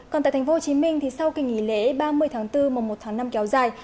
còn tại tp hcm sau kỳ nghỉ lễ ba mươi tháng bốn mùa một tháng năm kéo dài